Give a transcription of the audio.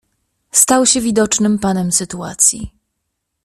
"Stał się widocznym panem sytuacji."